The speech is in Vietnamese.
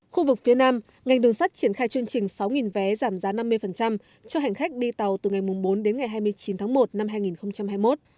khu vực phía nam ngành đường sắt triển khai chương trình sáu vé giảm giá năm mươi cho hành khách đi tàu từ ngày bốn đến ngày hai mươi chín tháng một năm hai nghìn hai mươi một